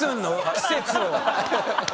季節を。